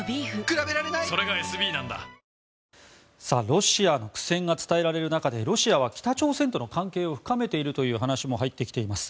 ロシアの苦戦が伝えられる中でロシアは北朝鮮との関係を深めているという話も入ってきています。